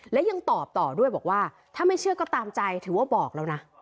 และยังตอบต่อด้วยบอกว่าถ้าไม่เชื่อก็ตามใจถือว่าบอกแล้วนะ